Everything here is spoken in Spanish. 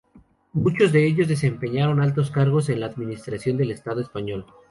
Muchos de ellos desempeñaron altos cargos en la administración del estado español.